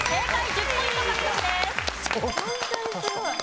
１０ポイント獲得です。